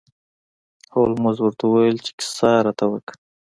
هولمز ورته وویل چې کیسه راته وکړه.